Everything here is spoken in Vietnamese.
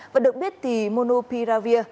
và được biết thì monopiravir